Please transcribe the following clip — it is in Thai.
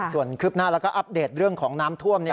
ส่วนคืบหน้าแล้วก็อัปเดตเรื่องของน้ำท่วม